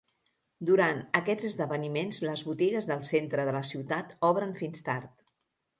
Durant aquests esdeveniments les botigues del centre de la ciutat obren fins tard.